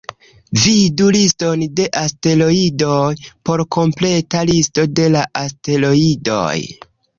Vidu "Liston de asteroidoj" por kompleta listo de la asteroidoj.